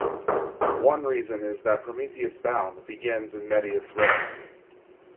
One reason is that "Prometheus Bound" begins in medias res.